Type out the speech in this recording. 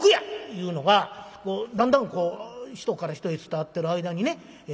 いうのがだんだんこう人から人へ伝わってる間にね